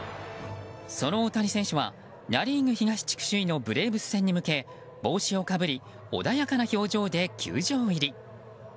その大谷選手はナ・リーグ東地区首位のブレーブス戦に向け帽子をかぶり穏やかな表情で球場入り。